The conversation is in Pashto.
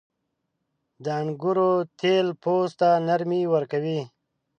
• د انګورو تېل پوست ته نرمي ورکوي.